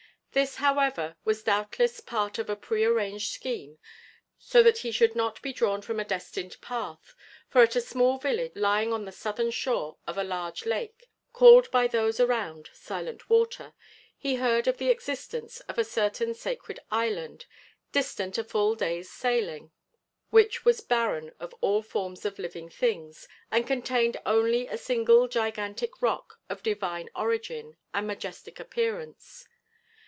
This, however, was doubtless part of a pre arranged scheme so that he should not be drawn from a destined path, for at a small village lying on the southern shore of a large lake, called by those around Silent Water, he heard of the existence of a certain sacred island, distant a full day's sailing, which was barren of all forms of living things, and contained only a single gigantic rock of divine origin and majestic appearance.